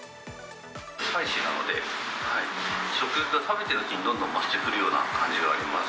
スパイシーなので、食欲が食べているうちにどんどん増してくるような感じはあります。